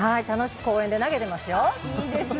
楽しく公園で投げてますよ。